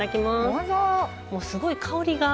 もうすごい香りが。